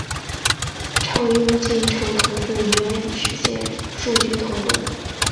常用进程同步原语实现数据同步。